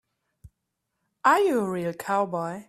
Are you a real cowboy?